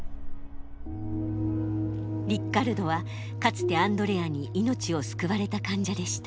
リッカルドはかつてアンドレアに命を救われた患者でした。